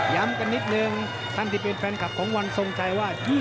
กันนิดนึงท่านที่เป็นแฟนคลับของวันทรงชัยว่า